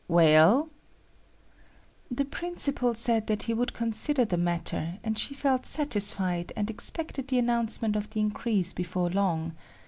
"Well?" "The principal said that he would consider the matter, and she felt satisfied and expected the announcement of the increase before long.